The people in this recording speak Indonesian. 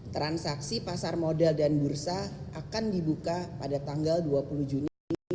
transaksi pasar modal dan bursa akan dibuka pada tanggal dua puluh juni dua ribu dua puluh